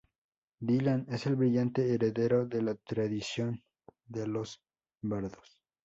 Dylan es el brillante heredero de la tradición de los bardos.